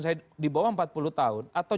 saya dibawah empat puluh tahun atau